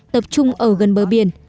tập trung ở gần bờ biển